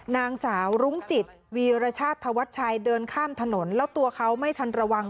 นางสาวรุ้งจิตวีรชาติธวัชชัยเดินข้ามถนนแล้วตัวเขาไม่ทันระวัง